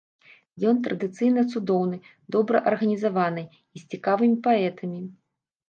Ён традыцыйна цудоўны, добра арганізаваны і з цікавымі паэтамі.